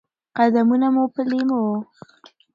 قدمونه مو په لېمو،